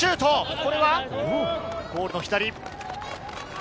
これはゴールの左。